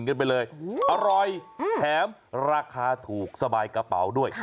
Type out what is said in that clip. กันไปเลยอร่อยแถมราคาถูกสบายกระเป๋าด้วย